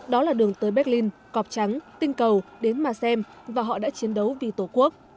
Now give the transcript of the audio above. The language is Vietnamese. đó là đường tới berlin cọp trắng tinh cầu đến mà xem và họ đã chiến đấu vì tổ quốc